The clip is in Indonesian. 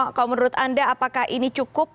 kalau menurut anda apakah ini cukup